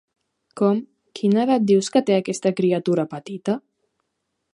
Com, quina edat dius que té aquesta criatura petita?